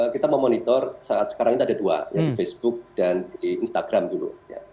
kita memonitor saat sekarang ini ada dua facebook dan instagram dulu